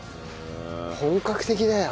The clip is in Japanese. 本格的だよ。